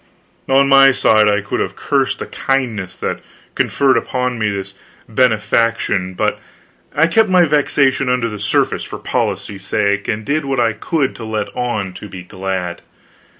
On my side, I could have cursed the kindness that conferred upon me this benefaction, but I kept my vexation under the surface for policy's sake, and did what I could to let on to be glad.